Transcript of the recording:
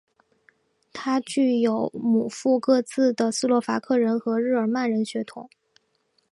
他具有母父各自的斯洛伐克人和日耳曼人血统。